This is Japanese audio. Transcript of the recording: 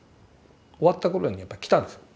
終わった頃にやっぱ来たんですよ。